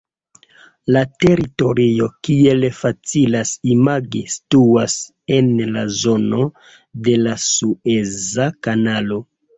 La teritorio, kiel facilas imagi, situas en la zono de la Sueza Kanalo.